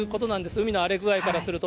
海の荒れ具合からすると。